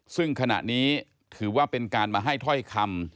ซึ่งขณะนี้ถือว่าเป็นการมาให้ถ้อยคำ